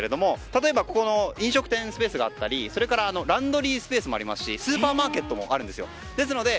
例えば飲食店スペースがあったりランドリースペースもありますしスーパーマーケットもあるんです。